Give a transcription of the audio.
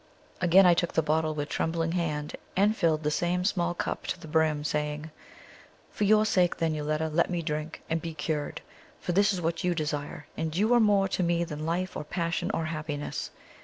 Again I took the bottle with trembling hand, and filled the same small cup to the brim, saying: "For your sake then, Yoletta, let me drink, and be cured; for this is what you desire, and you are more to me than life or passion or happiness.